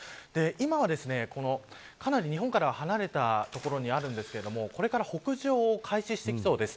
今はかなり日本からは離れた所にあるんですがこれから北上を開始していきそうです。